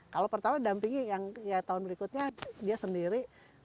kalau pertama didampingi yang tahun berikutnya dia sendiri